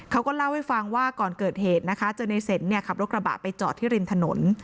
เขาก็เล่าให้ฟังว่าก่อนเกิดเหตุนะคะเจอในเสนขับรถกระบะไปจอดที่ริมถนน